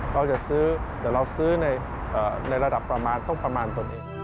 เราจะซื้อแต่เราซื้อในระดับประมาณต้องประมาณตนเอง